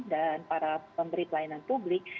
dan para pemberi pelayanan publik